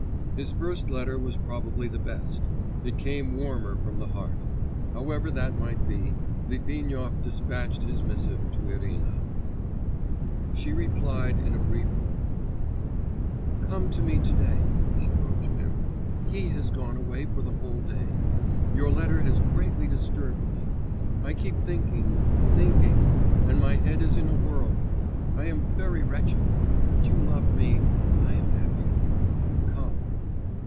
His first letter was probably the best; it came warmer from the heart. However that might be, Litvinov despatched his missive to Irina. She replied in a brief note: 'Come to me to day,' she wrote to him: 'he has gone away for the whole day. Your letter has greatly disturbed me. I keep thinking, thinking ... and my head is in a whirl. I am very wretched, but you love me, and I am happy. Come.